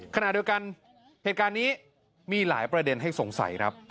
ขณะเดียวกันเหตุการณ์นี้มีหลายประเด็นให้สงสัยครับ